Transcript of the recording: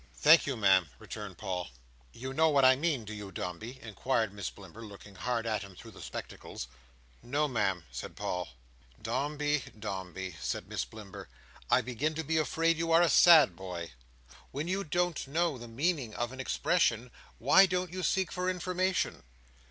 "Thank you, Ma'am," returned Paul. "You know what I mean, do you, Dombey?" inquired Miss Blimber, looking hard at him, through the spectacles. "No, Ma'am," said Paul. "Dombey, Dombey," said Miss Blimber, "I begin to be afraid you are a sad boy. When you don't know the meaning of an expression, why don't you seek for information?"